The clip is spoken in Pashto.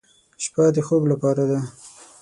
شپه د خوب لپاره ده.